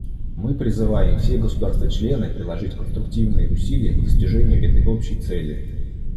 Мы призываем все государства-члены приложить конструктивные усилия к достижению этой общей цели.